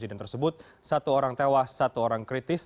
di jalan tersebut satu orang tewas satu orang kritis